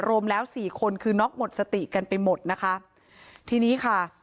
รวมแล้วสี่คนคือน็อกหมดสติกันไปหมดนะคะทีนี้ค่ะ